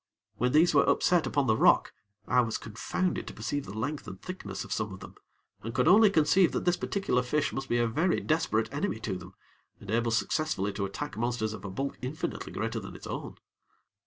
When these were upset upon the rock, I was confounded to perceive the length and thickness of some of them; and could only conceive that this particular fish must be a very desperate enemy to them, and able successfully to attack monsters of a bulk infinitely greater than its own.